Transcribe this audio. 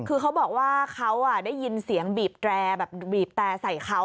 คือเขาบอกว่าเขาได้ยินเสียงบีบแตรแบบบีบแต่ใส่เขา